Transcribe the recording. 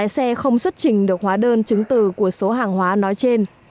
xuất trình được hóa đơn chứng từ của số hàng hóa nói trên